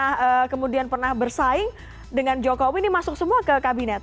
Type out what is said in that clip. kalau misal semua musuh atau yang musuh politik yang pernah bersaing dengan jokowi ini masuk semua ke kabinet